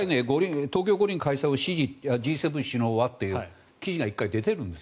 東京五輪開催をＧ７首脳は支持という話が出ているんです。